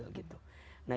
seorang yang berpengalaman